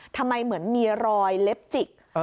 ทำไมเหมือนมีรอยเล็บจิก